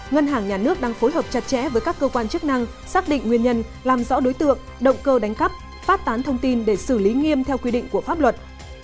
ngân hàng nhà nước đang phối hợp chặt chẽ với các cơ quan chức năng xác định nguyên nhân làm rõ đối tượng động cơ đánh cắp phát tán thông tin để xử lý nghiêm theo quy định của pháp luật